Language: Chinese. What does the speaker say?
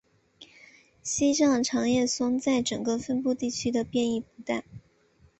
西藏长叶松在整个分布地区的变异不大。